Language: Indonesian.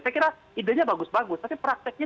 saya kira idenya bagus bagus tapi prakteknya